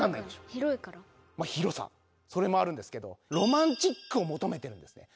広さそれもあるんですけどロマンチックを求めてるんですね。